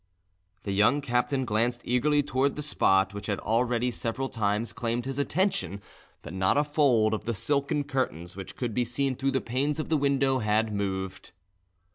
The young captain glanced eagerly towards the spot which had already several times claimed his attention, but not a fold of the silken curtains, which could be seen through the panes of the window, had moved.